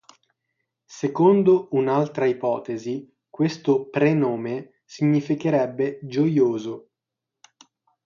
Secondo un'altra ipotesi, questo prenome significherebbe "gioioso".